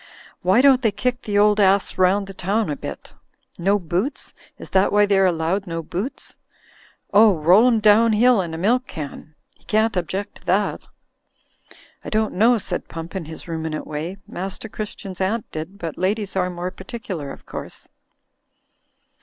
Why don't they kick the old ass round the town a bit? No boots? Is that why they're allowed no boots ? Oh, roll him down hill in a milk can; he can't object to that." "I don't know," said Pump, in his ruminant way, "Master Christian's aunt did, but ladies are more par ticular, of course."